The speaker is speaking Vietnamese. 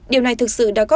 điều này thực sự đã có thể